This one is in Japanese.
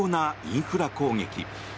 インフラ攻撃。